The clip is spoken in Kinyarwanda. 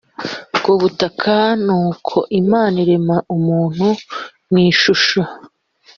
ku butaka m nuko imana irema umuntu mu ishusho